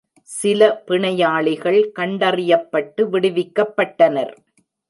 சில பிணையாளிகள் கண்டறியப்பட்டு விடுவிக்கப்பட்டனர்.